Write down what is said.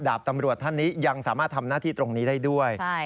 ดาบตำรวจท่านนี้ยังสามารถทำหน้าที่ตรงนี้ได้ด้วย